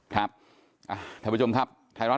ครับท่านผู้ชมครับ